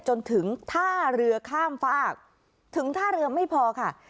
จนถึงท่าเรือข้ามฝากถึงท่าเรือไม่พอค่ะ